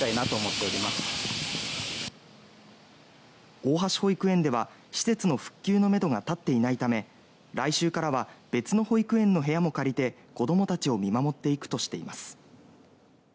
大橋保育園では施設の復旧のめどが立っていないため来週からは別の保育園の部屋も借りて子どもたちを見守っていくとしています。